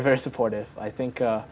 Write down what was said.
ya mereka sangat mendukung